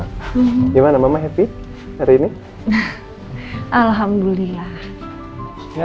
rou liver storage beku apatis khandi kru ajaret frankosora